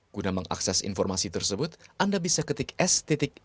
guna mengakses informasi tersebut anda bisa ketik s id garis miring